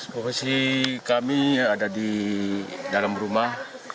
posisi kami ada di dalam rumah